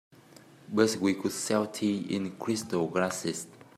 But we could sell tea in crystal glasses.